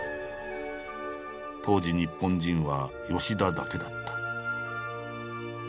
当時日本人は吉田だけだった。